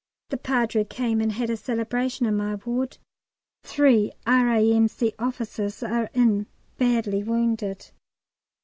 The Padre came and had a Celebration in my ward. Three R.A.M.C. officers are in badly wounded.